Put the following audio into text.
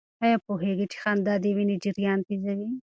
آیا پوهېږئ چې خندا د وینې جریان تېزوي؟